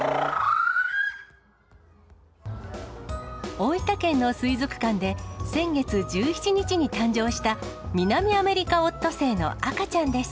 大分県の水族館で、先月１７日に誕生したミナミアメリカオットセイの赤ちゃんです。